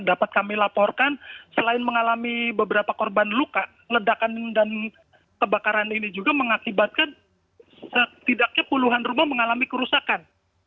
dapat kami laporkan selain mengalami beberapa korban luka ledakan dan kebakaran ini juga mengakibatkan setidaknya puluhan rumah mengalami kerusakan